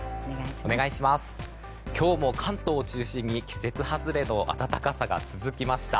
今日も関東を中心に今日も関東を中心に季節外れの暖かさが続きました。